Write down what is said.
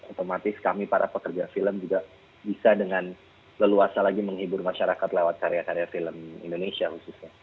otomatis kami para pekerja film juga bisa dengan leluasa lagi menghibur masyarakat lewat karya karya film indonesia khususnya